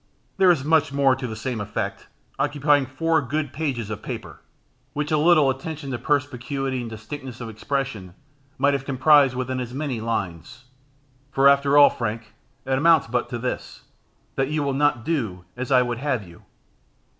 There is much more to the same effect, occupying four good pages of paper, which a little attention to perspicuity and distinctness of expression might have comprised within as many lines. For, after all, Frank, it amounts but to this, that you will not do as I would have you."